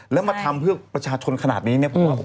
แล้วมาทำเพื่อประชาชนขนาดนี้เนี่ย